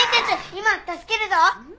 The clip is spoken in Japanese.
今助けるぞ！